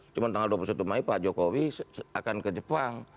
cuma tanggal dua puluh satu mei pak jokowi akan ke jepang